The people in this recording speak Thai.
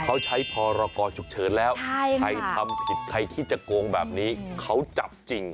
เขาใช้พรกรฉุกเฉินแล้วใครทำผิดใครที่จะโกงแบบนี้เขาจับจริง